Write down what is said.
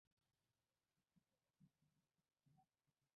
اندېښمن بزګران په دوبي کې زیار ایښود او زیتون ونه کرله.